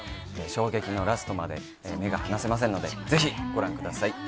衝撃のラストまで目が離せませんのでぜひご覧ください。